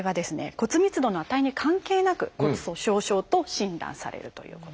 骨密度の値に関係なく「骨粗しょう症」と診断されるということです。